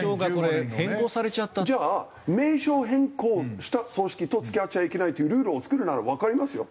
じゃあ名称変更した組織と付き合っちゃいけないというルールを作るならわかりますよ。